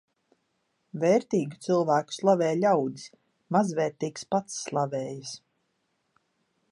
Vērtīgu cilvēku slavē ļaudis, mazvērtīgs pats slavējas.